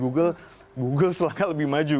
google selangkah lebih maju